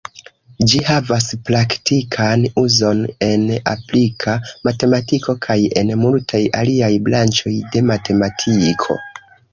Ĝi havas praktikan uzon en aplika matematiko kaj en multaj aliaj branĉoj de matematiko.